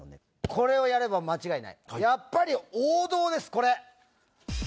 これをやれば間違いないやっぱり王道ですこれ。